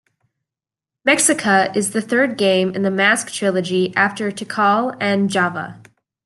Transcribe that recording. "Mexica" is the third game in the Mask Trilogy, after "Tikal" and "Java".